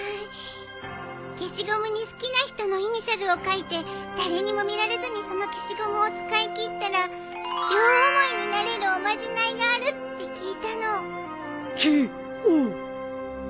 消しゴムに好きな人のイニシャルを書いて誰にも見られずにその消しゴムを使い切ったら両思いになれるおまじないがあるって聞いたの。